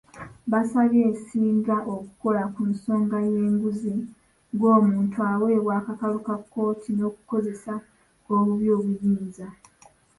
Baasabye essiga okukola ku nsonga y'enguzi ng'omuntu aweebwa akakalu ka kkooti, n'okukozesa obubi obuyinza.